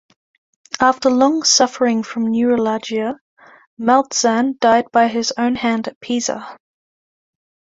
After long suffering from neuralgia, Maltzan died by his own hand at Pisa.